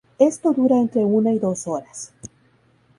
Esto dura entre una y dos horas.